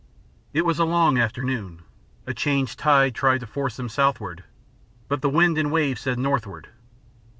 It was a long afternoon. A changed tide tried to force them southward, but the wind and wave said northward.